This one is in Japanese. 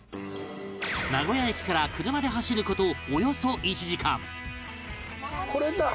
名古屋駅から車で走る事およそ１時間